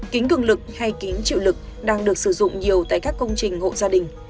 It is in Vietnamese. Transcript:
kính cường lực hay kín chịu lực đang được sử dụng nhiều tại các công trình hộ gia đình